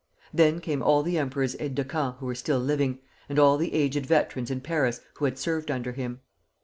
Then came all the Emperor's aides de camp who were still living, and all the aged veterans in Paris who had served under him.